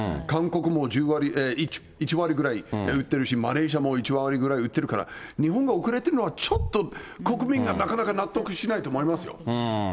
韓国も１割ぐらい打ってるし、マレーシアも１割ぐらい打ってるから、日本が遅れているのは、ちょっと国民がなかなか納得しないと思いますよ。